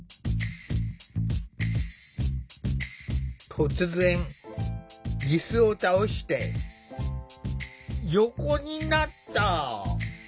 突然いすを倒して横になった。